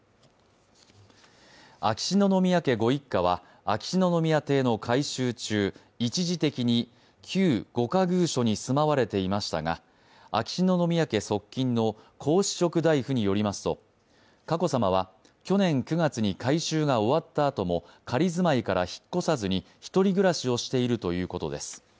秋篠宮家ご一家は、秋篠宮邸の改修中一時的に旧御仮寓所に住まわれていましたが秋篠宮家側近の皇嗣職大夫によりますと去年９月に改修が終わったあとも仮住まいから引っ越さずに１人暮らしをしているということです。